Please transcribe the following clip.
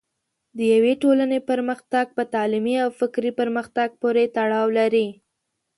د یوې ټولنې پرمختګ په تعلیمي او فکري پرمختګ پورې تړاو لري.